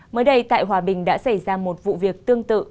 mới đây tại hòa bình đã xảy ra một vụ việc tương tự